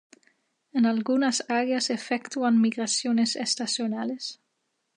En algunas áreas efectúan migraciones estacionales.